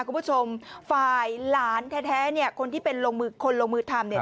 คุณผู้ชมฝ่ายหลานแท้เนี่ยคนที่เป็นลงมือคนลงมือทำเนี่ย